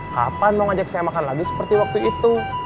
kapan mau ngajak saya makan lagi seperti waktu itu